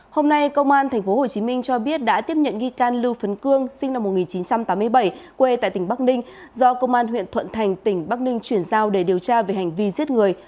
hôm nay công an tp hcm cho biết đã tiếp nhận nghi can lưu phấn cương sinh năm một nghìn chín trăm tám mươi bảy quê tại tỉnh bắc ninh do công an huyện thuận thành tỉnh bắc ninh chuyển giao để điều tra về hành vi giết người